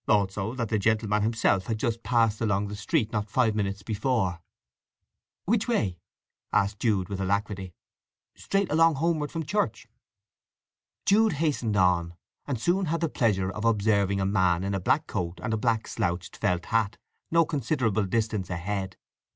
Also that the gentleman himself had just passed along the street not five minutes before. "Which way?" asked Jude with alacrity. "Straight along homeward from church." Jude hastened on, and soon had the pleasure of observing a man in a black coat and a black slouched felt hat no considerable distance ahead.